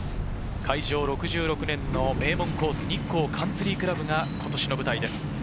開場６６年の名門コース、日光カンツリー倶楽部が今年の舞台です。